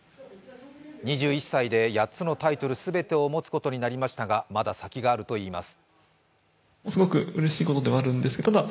２１歳で八つのタイトル全てを持つことになりましたが、まだ先があるといいます。